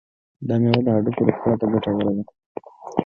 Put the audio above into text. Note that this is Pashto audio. دا میوه د هډوکو روغتیا ته ګټوره ده.